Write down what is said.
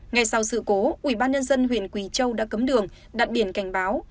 ngay sau sự cố ubnd huyện quỳ châu đã cấm đường đặt biển cảnh báo